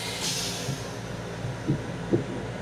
歌词是歌曲中的文词部分。